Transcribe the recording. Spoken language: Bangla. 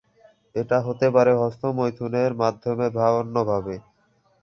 এটা হতে পারে হস্তমৈথুনের মাধ্যমে বা অন্যভাবে